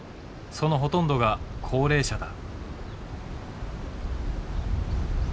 そのほとんどが高齢者だ。